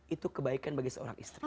itu kebaikan bagi seorang istri